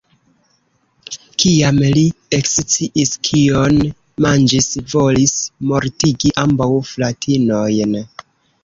Kiam li eksciis kion manĝis, volis mortigi ambaŭ fratinojn.